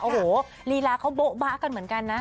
โอ้โหลีลาเขาโบ๊บะกันเหมือนกันนะ